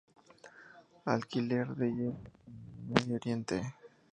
Alquiler de jet en el Medio Oriente